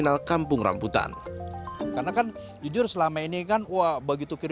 waduk rambutan sebagai kawasan wisata air